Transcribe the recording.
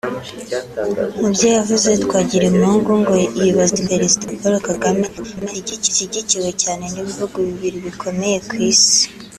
Mubyo yavuze Twagiramungu ngo yibaza impamvu Perezida Paul Kagame ashyigikiwe cyane n’ibihugu bibiri bikomeye ku isi